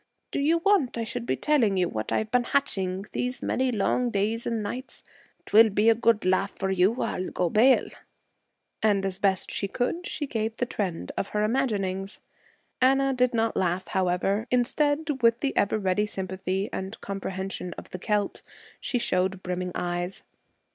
Do you want I should be telling you what I've been hatching these many long days and nights? 'Twill be a good laugh for you, I'll go bail.' And, as best she could, she gave the trend of her imaginings. Anna did not laugh, however. Instead with the ever ready sympathy and comprehension of the Celt she showed brimming eyes.